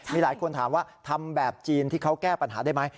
มีหลายคนถามว่าทำแบบจีนที่เขาแก้ปัญหาได้ไหม